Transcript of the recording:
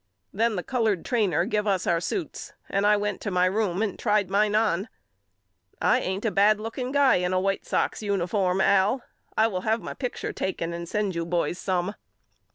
Then the colored trainer give us our suits and I went to my room and tried mine on. I ain't a bad looking guy in the White Sox uni form Al. I will have my picture taken and send you boys some.